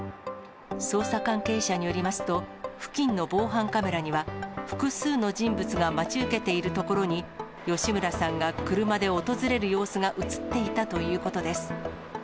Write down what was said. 捜査関係者によりますと、付近の防犯カメラには複数の人物が待ち受けているところに、吉村さんが車で訪れる様子が写っていたということです。